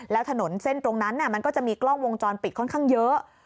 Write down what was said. แล้วถนนเส้นตรงนั้นมันก็จะมีกล้องวงจรปิดค่อนข้างเยอะ